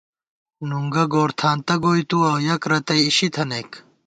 نُنگہ گورتھانتہ گوئی تُوَہ یَک رتئ اِشی تھَنَئیک